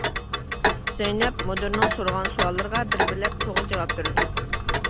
زەينەپ مۇدىرنىڭ سورىغان سوئاللىرىغا بىر-بىرلەپ توغرا جاۋاب بېرىدۇ.